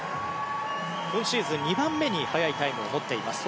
今シーズン２番目に早いタイムを持っています。